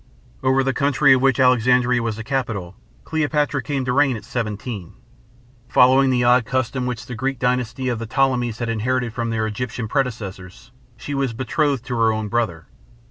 Over the country of which Alexandria was the capital Cleopatra came to reign at seventeen. Following the odd custom which the Greek dynasty of the Ptolemies had inherited from their Egyptian predecessors, she was betrothed to her own brother.